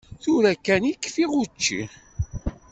Tura kan i kfiɣ učči.